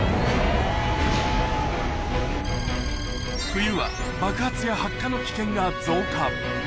冬は爆発や発火の危険が増加。